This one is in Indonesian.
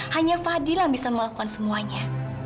hanya fadil yang bisa melakukan semuanya